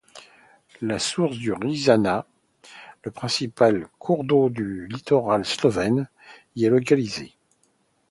La source du Rižana, le principal cours d'eau du littoral slovène, y est localisée.